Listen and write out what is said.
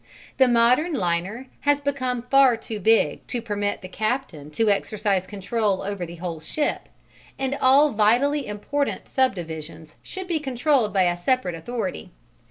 The modern liner has become far too big to permit the captain to exercise control over the whole ship, and all vitally important subdivisions should be controlled by a separate authority.